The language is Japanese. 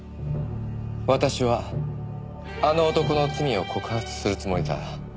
「私はあの男の罪を告発するつもりだ」